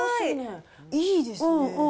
いいですね。